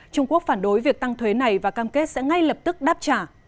trung quốc phản đối việc tăng thuế này và cam kết sẽ ngay lập tức đáp trả